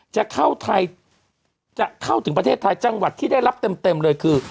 จะเข้าไทยจะเข้าถึงประเทศไทยจังหวัดที่ได้รับเต็มเลยคือ